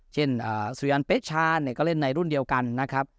เช่นอ่าซุยันเปชาเนี่ยก็เล่นในรุ่นเดียวกันนะครับ